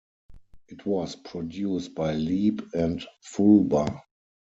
It was produced by Leeb and Fulber.